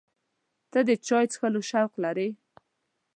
ته د چای څښلو شوق لرې؟